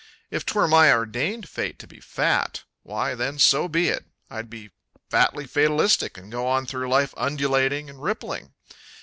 If 'twere my ordained fate to be fat why, then so be it; I'd be fatly fatalistic and go on through life undulating and rippling.